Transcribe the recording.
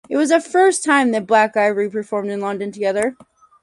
It was the first time that Black Ivory performed in London together.